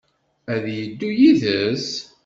Ad d-yeddu yid-s?